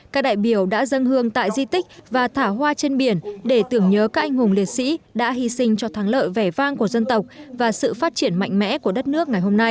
các đại biểu đã dâng hương tại di tích và thả hoa trên biển để tưởng nhớ các anh hùng liệt sĩ đã hy sinh cho thắng lợi vẻ vang của dân tộc và sự phát triển mạnh mẽ của đất nước ngày hôm nay